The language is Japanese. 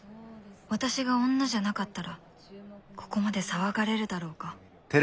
私が女じゃなかったらここまで騒がれるだろうか？